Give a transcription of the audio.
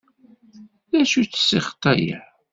D acu-tt ssixṭa-a?